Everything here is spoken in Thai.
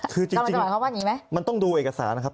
คือจริงไหมมันต้องดูเอกสารนะครับ